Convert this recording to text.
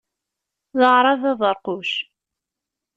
D aɛrab aberquc.